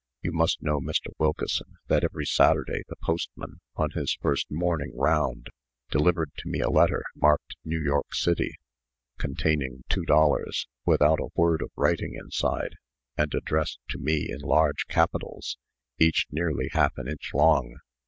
You must know, Mr. Wilkeson, that every Saturday the postman, on his first morning round, delivered to me a letter, marked 'New York City,' containing two dollars, without a word of writing inside, and addressed to me in large capitals, each nearly half an inch long.